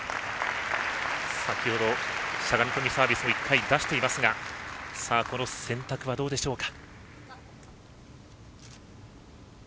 先ほどしゃがみ込みサービスを１回、出していますが選択はどうでしょうか。